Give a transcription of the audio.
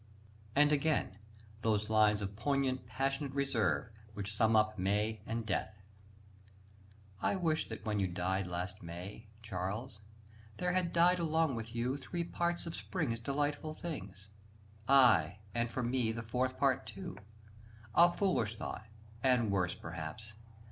_) And again, those lines of poignant, passionate reserve, which sum up May and Death: I wish that when you died last May, Charles, there had died along with you Three parts of spring's delightful things; Ay, and for me, the fourth part too. A foolish thought, and worse, perhaps!